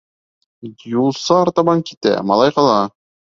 Юлсы артабан китә, малай ҡала.